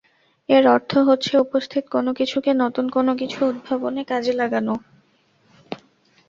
এর অর্থ হচ্ছে উপস্থিত কোনো কিছুকে নতুন কোনো কিছু উদ্ভাবনে কাজে লাগানো।